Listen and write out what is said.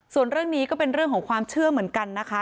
ส่วนเรื่องนี้ก็เป็นเรื่องของความเชื่อเหมือนกันนะคะ